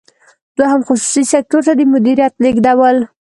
دوهم: خصوصي سکتور ته د مدیریت لیږدول.